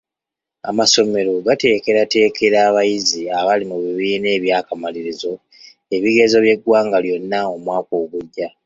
Amasomero gateekerateekera abayizi abali mu bibiina eby'akamalirizo ebigezo by'eggwanga lyonna omwaka ogujja.